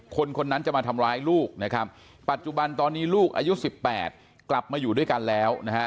คนคนนั้นจะมาทำร้ายลูกนะครับปัจจุบันตอนนี้ลูกอายุ๑๘กลับมาอยู่ด้วยกันแล้วนะฮะ